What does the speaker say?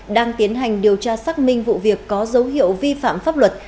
đang tiến hành điều tra xác minh vụ việc có dấu hiệu vi phạm pháp luật